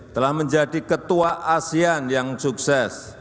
telah menjadi ketua asean yang sukses